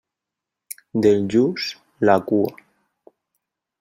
Del lluç, la cua.